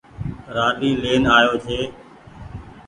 رآلي لين آيو ڇي۔